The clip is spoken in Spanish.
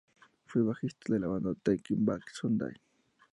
Fue bajista de la banda Taking Back Sunday.